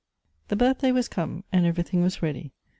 THE birthday was come, and everything was ready.